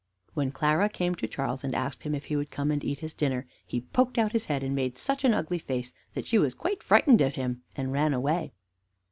When Clara came to Charles, and asked him if he would come and eat his dinner, he poked out his head, and made such an ugly face that she was quite frightened at him, and ran away.